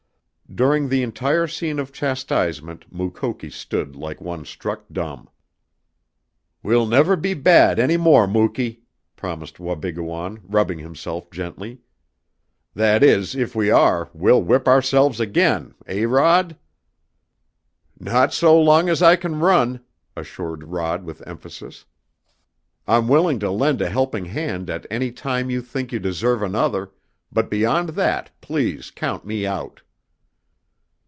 During the entire scene of chastisement Mukoki stood like one struck dumb. "We'll never be bad any more, Muky," promised Wabigoon, rubbing himself gently. "That is, if we are, we'll whip ourselves again, eh, Rod?" "Not so long as I can run!" assured Rod with emphasis. "I'm willing to lend a helping hand at any time you think you deserve another, but beyond that please count me out!"